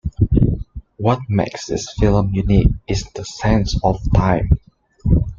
What makes this film unique is the sense of time.